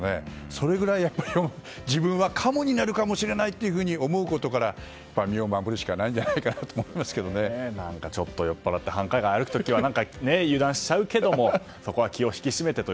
それぐらい、自分はカモになるかもしれないと思うことから身を守るしかないんじゃないかなちょっと酔っぱらって繁華街を歩く時は油断しちゃうけどもそこは気を引き締めてと。